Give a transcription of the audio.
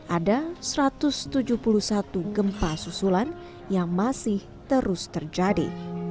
ada satu ratus tujuh puluh satu gempa susulan yang masih terus terjadi